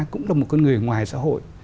cũng là một người ngoài xã hội